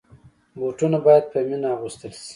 بوټونه باید په مینه اغوستل شي.